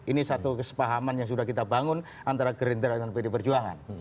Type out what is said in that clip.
ini satu kesepahaman yang sudah kita bangun antara gerindra dan pd perjuangan